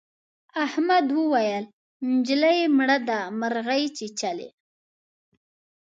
احمد وويل: نجلۍ مړه ده مرغۍ چیچلې.